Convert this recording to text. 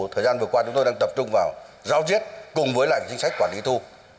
thời gian vừa qua chúng tôi đang tập trung vào giáo diết cùng với lại chính sách quản lý thu